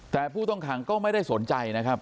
แต่ผู้ต้องขังก็ไม่ได้สนใจนะครับ